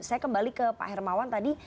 saya kembali ke pak hermawan tadi